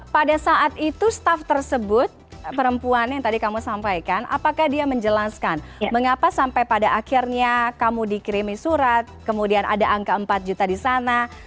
pada saat itu staff tersebut perempuan yang tadi kamu sampaikan apakah dia menjelaskan mengapa sampai pada akhirnya kamu dikirimi surat kemudian ada angka empat juta di sana